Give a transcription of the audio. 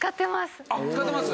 使ってます？